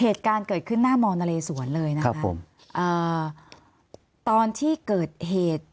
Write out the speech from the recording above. เหตุการณ์เกิดขึ้นหน้ามนเลสวนเลยนะคะผมอ่าตอนที่เกิดเหตุ